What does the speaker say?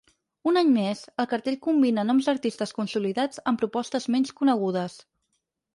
Un any més, el cartell combina noms d’artistes consolidats amb propostes menys conegudes.